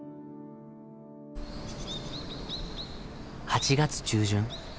８月中旬。